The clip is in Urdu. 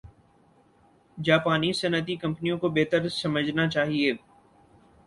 جاپانی صنعتی کمپنیوں کو بہتر سمجھنا چاہِیے